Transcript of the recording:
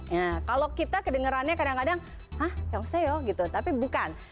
nah kalau kita kedengerannya kadang kadang hah yobaseyo gitu tapi bukan